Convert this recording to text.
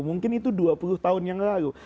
mungkin itu dua puluh tahun yang lalu